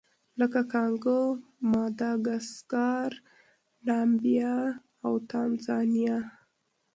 لکه کانګو، ماداګاسکار، نامبیا او تانزانیا.